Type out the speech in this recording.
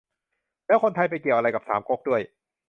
แล้วคนไทยไปเกี่ยวอะไรกับสามก๊กด้วย